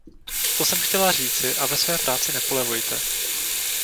To jsem chtěla říci a ve své práci nepolevujte.